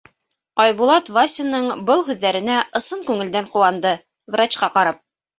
Айбулат Васяның был һүҙҙәренә ысын күңелдән ҡыуанды, врачҡа ҡарап: